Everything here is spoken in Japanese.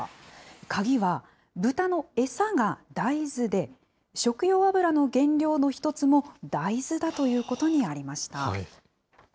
鍵は豚の餌が大豆で、食用油の原料の一つも大豆だということにありました。